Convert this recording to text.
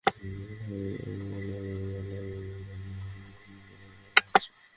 আশার কথা, চলমান কোটাপদ্ধতি নিয়ে হাল আমলে নীতিনির্ধারণী মহলেও গুরুত্বের সঙ্গে আলোচনা হচ্ছে।